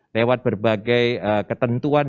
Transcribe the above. lewat berbagai ketentuan